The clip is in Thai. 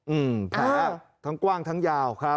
อืมแผลทั้งกว้างทั้งยาวครับ